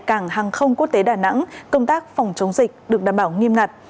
cảng hàng không quốc tế đà nẵng công tác phòng chống dịch được đảm bảo nghiêm ngặt